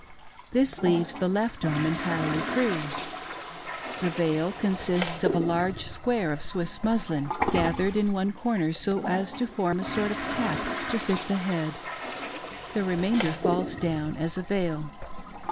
This leaves the left arm entirely free. The veil consists of a large square of Swiss muslin, gathered in one corner so as to form a sort of cap to fit the head ; the remainder falls down as a veil.